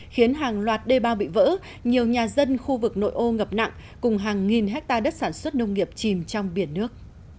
khiến hàng loạt đê bao bị vỡ nhiều nhà dân khu vực nội ô ngập nặng cùng hàng nghìn hectare đất sản xuất nông nghiệp chìm trong biển nước